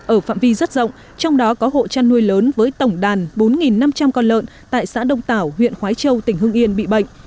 ở phạm vi rất rộng trong đó có hộ chăn nuôi lớn với tổng đàn bốn năm trăm linh con lợn tại xã đông tảo huyện khói châu tỉnh hưng yên bị bệnh